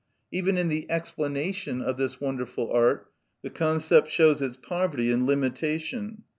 Even in the explanation of this wonderful art, the concept shows its poverty and limitation.